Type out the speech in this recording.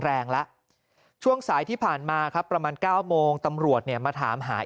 แรงแล้วช่วงสายที่ผ่านมาครับประมาณ๙โมงตำรวจเนี่ยมาถามหา